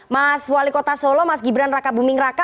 mas wali kota solo mas gibran raka buming raka